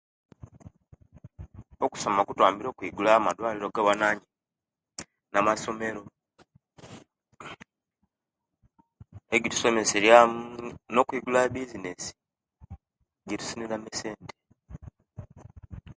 Okusoma kutwambire okuigulawo amadwaliro gabwananyin namasomero egitusomeseriamu nokuigulawo ebisinesi ejitufuniramu esente